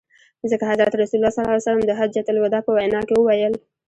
ځکه حضرت رسول ص د حجة الوداع په وینا کي وویل.